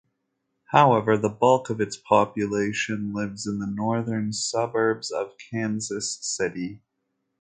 However, the bulk of its population lives in the northern suburbs of Kansas City.